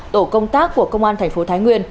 tổ công tác của công an thành phố thái nguyên